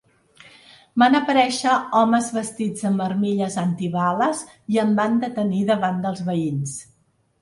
“Van aparèixer homes vestits amb armilles antibales i em van detenir davant dels veïns”.